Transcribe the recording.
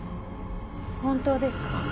本当ですか？